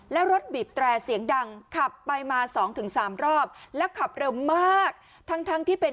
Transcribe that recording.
แล้วรถบีบแตรเสียงดังขับไปมาสองถึงสามรอบแล้วขับเร็วมากทั้งทั้งที่เป็น